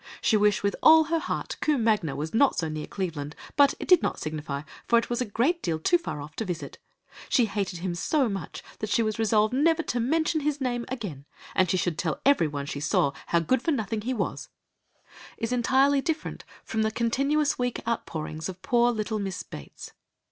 She wished with all her heart Combe Magna was not so near Cleveland, but it did not signify for it was a great deal too far off to visit; she hated him so much that she was resolved never to mention his name again, and she should tell everyone she saw how good for nothing he was," is entirely different from the continuous weak outpourings of poor little Miss Bates.